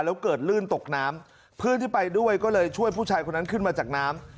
แล้วเกิดลื่นตกน้ำเพื่อนที่ไปด้วยก็เลยช่วยผู้ชายคนนั้นขึ้นมาจากน้ำ